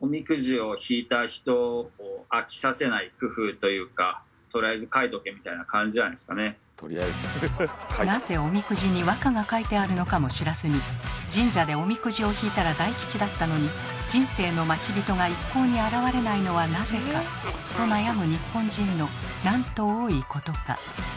おみくじを引いた人をなぜおみくじに和歌が書いてあるのかも知らずに神社でおみくじを引いたら大吉だったのに「人生の待人が一向に現れないのはなぜか」と悩む日本人のなんと多いことか。